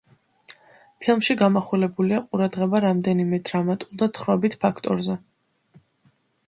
ფილმში გამახვილებულია ყურადღება რამდენიმე დრამატულ და თხრობით ფაქტორზე.